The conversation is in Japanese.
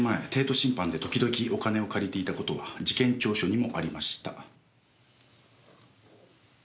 信販で時々お金を借りていた事は事件調書にもありました。